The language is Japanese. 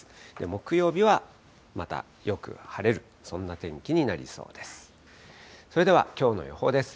木曜日はまたよく晴れる、そんな天気になりそうです。